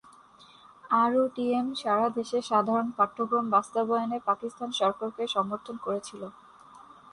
আরও, টিএম সারা দেশে সাধারণ পাঠ্যক্রম বাস্তবায়নে পাকিস্তান সরকারকে সমর্থন করেছিল।